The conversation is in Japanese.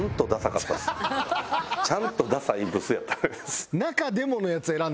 ちゃんとダサいブスやったんです。